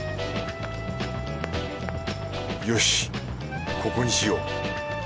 よしここにしよう。